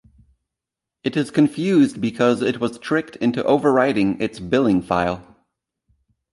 It is confused because it was tricked into overwriting its billing file.